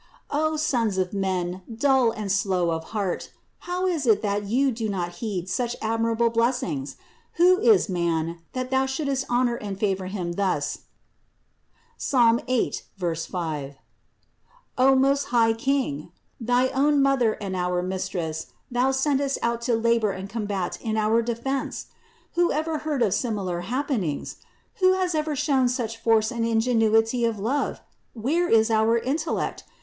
338. O sons of men, dull and slow of heart ! How is it that you do not heed such admirable blessings ? Who is man, that Thou shouldst honor and favor Him thus (Ps. 8, 5), O most high King! Thy own Mother and our Mistress Thou sendest out to labor and combat in our defense! Who ever heard of similar happenings? Who has ever shown such force and ingenuity of love? Where is our intellect